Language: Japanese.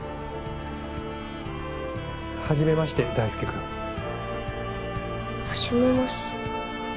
はじめまして大輔くん。はじめまして。